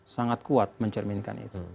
sangat kuat mencerminkan itu